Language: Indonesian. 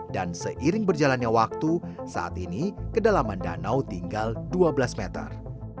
dan seiring berjalannya waktu saat ini kedalaman danau tinggal dua belas meter